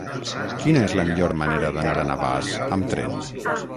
Quina és la millor manera d'anar a Navàs amb tren?